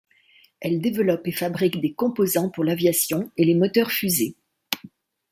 Elle développe et fabrique des composants pour l'aviation et les moteurs-fusées.